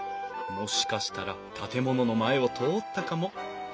もしかしたら建物の前を通ったかも。